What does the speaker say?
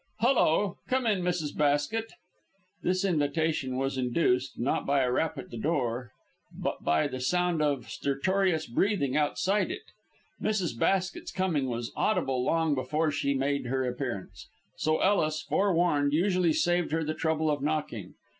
Hullo! Come in, Mrs. Basket." This invitation was induced, not by a rap at the door, but by the sound of stertorous breathing outside it. Mrs. Basket's coming was audible long before she made her appearance; so Ellis, forewarned, usually saved her the trouble of knocking.